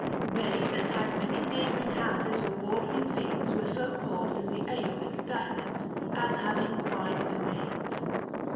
They that had many neighboring houses or bordering fields were so called in the Aeolic dialect, as having wide domains.